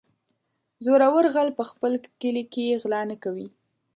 زورور غل په خپل کلي کې غلا نه کوي.